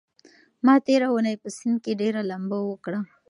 ما تېره اونۍ په سيند کې ډېره لامبو وکړه.